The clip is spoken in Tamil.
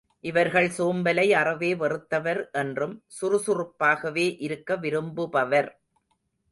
இவர்கள் சோம்பலை அறவே வெறுத்தவர் என்றும், சுறுசுறுப்பாகவே இருக்க விரும்புபவர்.